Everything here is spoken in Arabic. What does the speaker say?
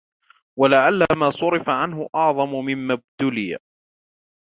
وَلَعَلَّ مَا صُرِفَ عَنْهُ أَعْظَمُ مِمَّا اُبْتُلِيَ